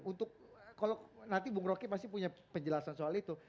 untuk kalau nanti bung roky pasti punya penjelasan soal itu